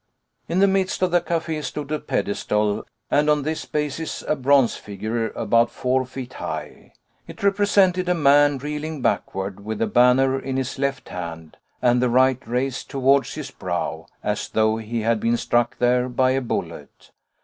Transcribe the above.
In the midst of the café stood a pedestal, and on this basis a bronze figure about four feet high. It represented a man reeling backward, with a banner in his left hand, and the right raised towards his brow, as though he had been struck there by a bullet.